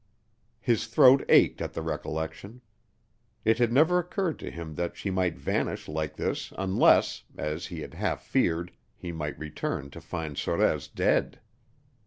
His throat ached at the recollection. It had never occurred to him that she might vanish like this unless, as he had half feared, he might return to find Sorez dead.